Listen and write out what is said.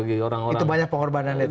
itu banyak pengorbanan ya